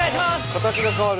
形が変わる。